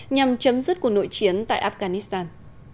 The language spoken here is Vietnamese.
nhằm chấm dứt cuộc nội chiến tại afghanistan